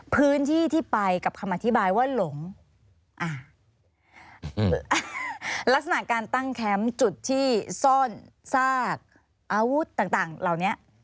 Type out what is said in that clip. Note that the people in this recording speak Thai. พื้นที่ที่ไปกับคำอธิบายว่าหลงอ่าลักษณะการตั้งแคมป์จุดที่ซ่อนซากอาวุธต่างต่างเหล่านี้